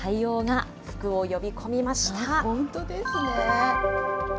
本当ですね。